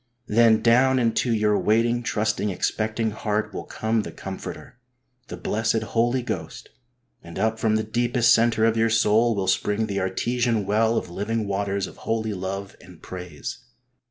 Then down into your waiting, trusting, expecting heart will come the Comforter, the blessed Holy Ghost, and up from the deepest centre of your soul will spring the artesian well of living waters of holy love and praise.